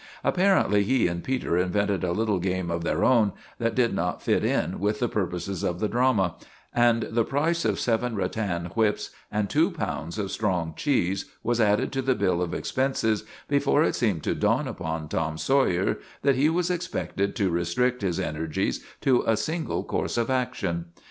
Apparently he and Peter invented a little game of their own that did not fit in with the pur poses of the drama, and the price of seven rattan whips and two pounds of strong cheese was added to the bill of expenses before it seemed to dawn upon Tom Sawyer that he was expected to restrict his energies to a single course of action.